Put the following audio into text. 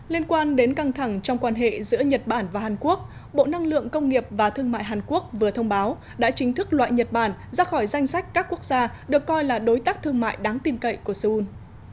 liên quan đến căng thẳng trong quan hệ giữa nhật bản và hàn quốc bộ năng lượng công nghiệp và thương mại hàn quốc vừa thông báo đã chính thức loại nhật bản ra khỏi danh sách các quốc gia được coi là đối tác thương mại đáng tin cậy của seoul